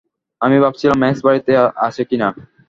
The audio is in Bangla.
আমি ভাবছিলাম ম্যাক্স বাড়িতে আছে কিনা।